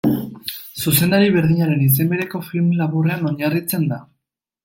Zuzendari berdinaren izen bereko film laburrean oinarritzen da.